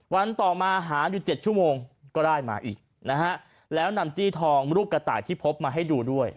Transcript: วันต่อมาหาอยู่๗ชั่วโมงก็ได้มาอีกนะฮะแล้วนำจี้ทองรูปกระต่ายที่พบมาให้ดูด้วย